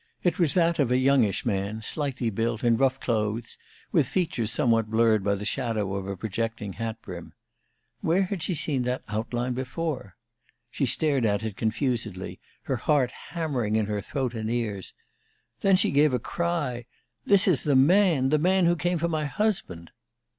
It was that of a youngish man, slightly built, in rough clothes, with features somewhat blurred by the shadow of a projecting hat brim. Where had she seen that outline before? She stared at it confusedly, her heart hammering in her throat and ears. Then she gave a cry. "This is the man the man who came for my husband!"